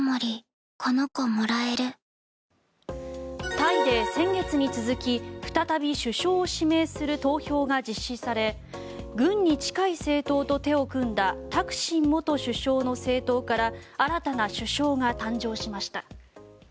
タイで先月に続き再び首相を指名する投票が実施され軍に近い政党と手を組んだタクシン元首相の政党から新たな首相が誕生しました。